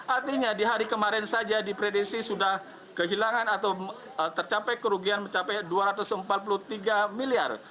artinya di hari kemarin saja diprediksi sudah kehilangan atau tercapai kerugian mencapai dua ratus empat puluh tiga miliar